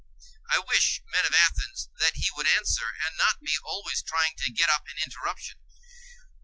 … I wish, men of Athens, that he would answer, and not be always trying to get up an interruption.